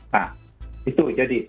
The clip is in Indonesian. nah itu jadi